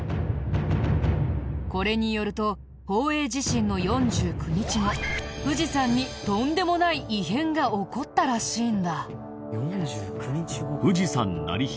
これによると宝永地震の４９日後富士山にとんでもない異変が起こったらしいんだ。